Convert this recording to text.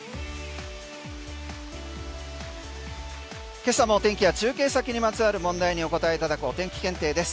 今朝も天気や中継先にまつわる問題にお答えいただくお天気検定です。